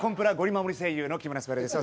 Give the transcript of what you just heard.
守り声優の木村昴です。